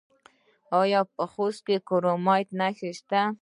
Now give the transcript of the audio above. آیا په خوست کې کرومایټ شته؟